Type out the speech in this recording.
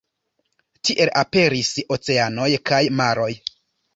Tiel aperis oceanoj kaj maroj.